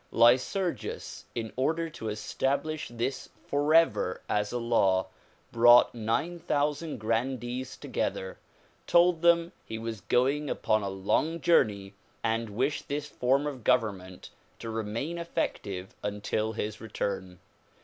Lycurgus in order to estab lish this forever as a law, brought nine thousand grandees together, told them he was going upon a long journey and wished this form of government to remain effective until his return.